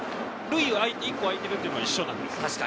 塁が１個あいているっていうのは一緒なんです。